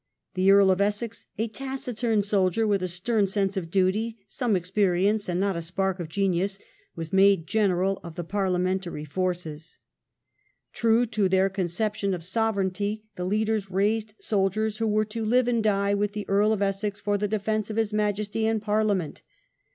The Earl of Essex, a taciturn soldier, with a stern sense of duty, some experience, and not a spark of genius, was made general of the Parlia mentary forces. True to their conception of sovereignty, 40 THE CAUSE OF WAR. the leaders raised soldiers who were "to live and die with the Earl of Essex for the defence of his majesty and Parliament".